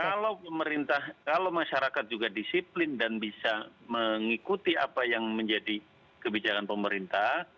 kalau pemerintah kalau masyarakat juga disiplin dan bisa mengikuti apa yang menjadi kebijakan pemerintah